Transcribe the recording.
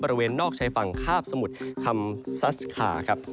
บริเวณนอกชายฝั่งคาบสมุทรคำซัสคาครับ